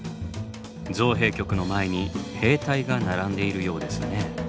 造幣局の前に兵隊が並んでいるようですね。